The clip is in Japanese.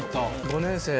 ５年生。